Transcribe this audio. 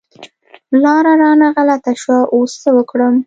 لاره رانه غلطه شوه، اوس څه وکړم؟